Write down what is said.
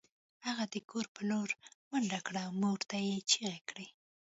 هغه د کور په لور منډه کړه او مور ته یې چیغې کړې